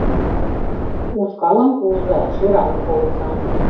Ушкалым пуыза — шӧраным пуыза